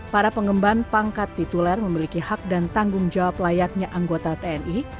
para pengemban pangkat tituler memiliki hak dan tanggung jawab layaknya anggota tni